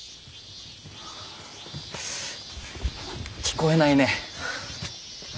聞こえないね。